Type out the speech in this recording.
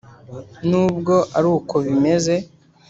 Nubwo ari uko bimeze